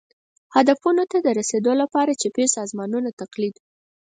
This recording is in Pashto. هدفونو رسېدو لپاره چپي سازمانونو تقلید